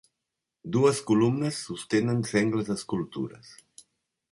Dues columnes sostenen sengles escultures.